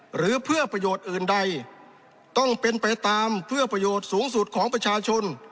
หรือเพื่อประโยชน์อื่นใดต้องเป็นไปตามเพื่อประโยชน์สูงสุดของประชาชน